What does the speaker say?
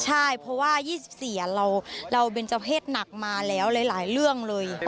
ใช่เพราะว่า๒๔เราเป็นเจ้าเพศหนักมาแล้วหลายเรื่องเลย